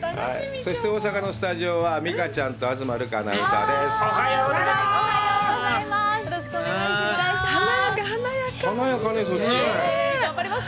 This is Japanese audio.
そして大阪のスタジオは美佳ちゃんと、東留伽アナウンサーです。